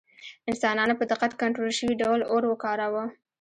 انسانانو په دقت کنټرول شوي ډول اور وکاراوه.